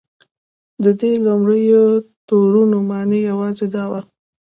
د دې لومړیو تورونو معنی یوازې دا وه.